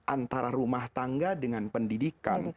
antara rumah tangga dengan pendidikan